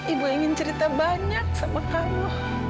ibu ingin cerita banyak sama kamu